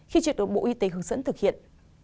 khi triệt đội bộ y tế hướng dẫn thực hiện